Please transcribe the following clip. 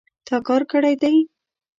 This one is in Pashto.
تا کار کړی دی